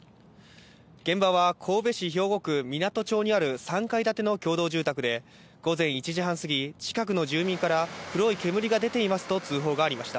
現場は神戸市兵庫区湊町にある３階建ての共同住宅で午前１時半過ぎ、近くの住民から黒い煙が出ていますと通報がありました。